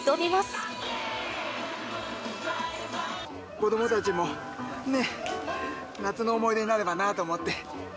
子どもたちもね、夏の思い出になればなと思って。